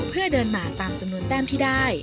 เพื่อเดินหมาตามจำนวนแต้มที่ได้